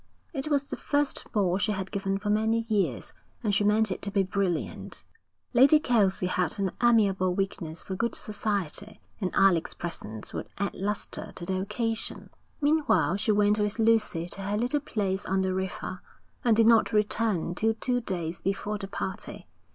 It was the first ball she had given for many years, and she meant it to be brilliant. Lady Kelsey had an amiable weakness for good society, and Alec's presence would add lustre to the occasion. Meanwhile she went with Lucy to her little place on the river, and did not return till two days before the party.